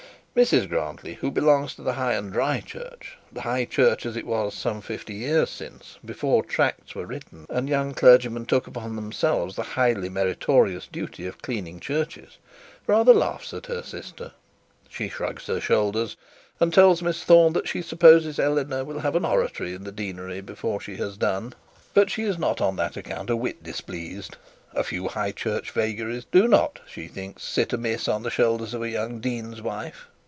Mrs Grantly, who belongs to the high and dry church, the high church as it was some fifty years since, before tracts were written and young clergymen took upon themselves the highly meritorious duty of cleaning churches, rather laughs at her sister. She shrugs her shoulders, and tells Miss Thorne that she supposes Eleanor will have an oratory in the deanery before she has done. But she is not on that account a whit displeased. A few high church vagaries do not, she thinks, sit amiss on the shoulders of a young dean's wife.